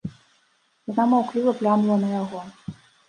Яна маўкліва глянула на яго.